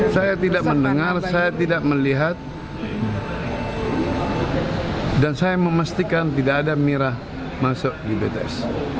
saya tidak mendengar saya tidak melihat dan saya memastikan tidak ada mirah masuk di bts